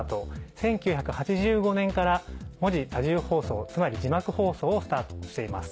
１９８５年から文字多重放送つまり字幕放送をスタートしています。